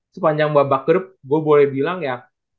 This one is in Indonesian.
sepanjang babak grup gue boleh bilang ya